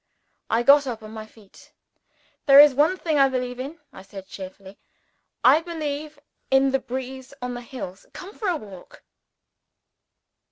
I got up on my feet. "There is one thing I believe in," I said cheerfully. "I believe in the breeze on the hills. Come for a walk!"